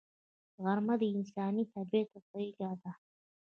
غرمه د انساني طبیعت غېږه ده